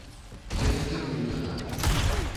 Я інтэрв'ю не дам.